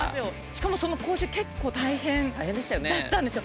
しかもその講習結構大変だったんですよ。